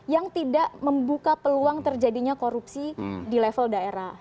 yang tidak membuka peluang terjadinya korupsi di level daerah